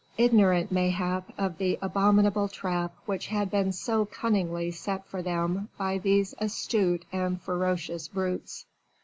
ignorant mayhap of the abominable trap which had been so cunningly set for them by these astute and ferocious brutes.